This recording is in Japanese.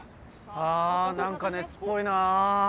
あ何か熱っぽいなぁ。